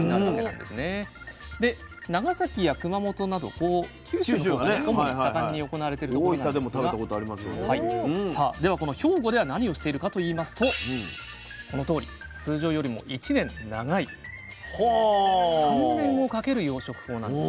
で長崎や熊本など九州のほうで主に盛んに行われてるところなんですがさあではこの兵庫では何をしているかといいますとこのとおり通常よりも１年長い３年をかける養殖法なんですね。